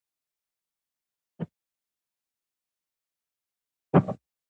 ایا د بدن بوی د عمر سره بدلیدلی شي؟